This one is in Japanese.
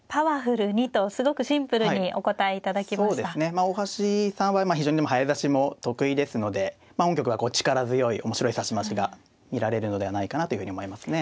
まあ大橋さんは非常に早指しも得意ですので本局は力強い面白い指し回しが見られるのではないかなというふうに思いますね。